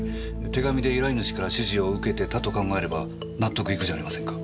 手紙で依頼主から指示を受けてたと考えれば納得いくじゃありませんか。